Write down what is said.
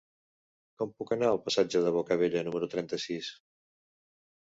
Com puc anar al passatge de Bocabella número trenta-sis?